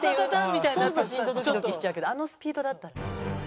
みたいになると心臓ドキドキしちゃうけどあのスピードだったら。